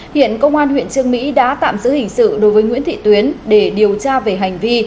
hiện công an huyện trương mỹ đã tạm giữ hình sự đối với nguyễn thị tuyến để điều tra về hành vi